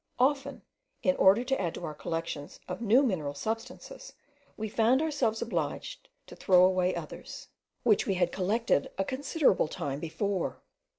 Often, in order to add to our collections of new mineral substances, we found ourselves obliged to throw away others, which we had collected a considerable time before.